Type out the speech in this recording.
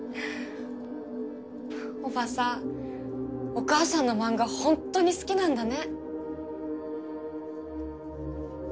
叔母さんお母さんの漫画ほんとに好きなんだね。